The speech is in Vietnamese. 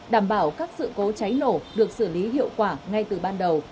đảm bảo các sự cố cháy nổ được xử lý hiệu quả ngay từ ban đầu